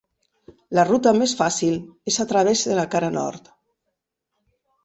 La ruta més fàcil és a través de la cara nord.